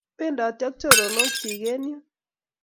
Pendoti ak choronok chik eng' yun